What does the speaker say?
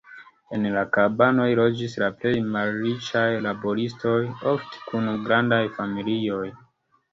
En la kabanoj loĝis la plej malriĉaj laboristoj, ofte kun grandaj familioj.